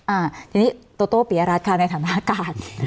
อ่าทีนี้โตโต้ปิยรัฐค่ะในฐานะการ